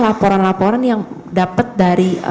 laporan laporan yang dapat dari